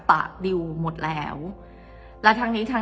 เพราะในตอนนั้นดิวต้องอธิบายให้ทุกคนเข้าใจหัวอกดิวด้วยนะว่า